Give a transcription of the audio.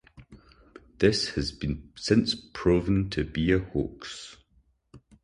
This has been since proven to be a hoax.